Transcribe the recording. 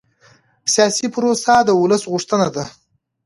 سیاسي پروسه د ولس غوښتنه ده